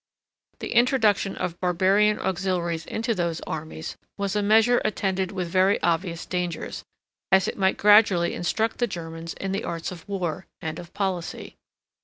The introduction of barbarian auxiliaries into those armies, was a measure attended with very obvious dangers, as it might gradually instruct the Germans in the arts of war and of policy.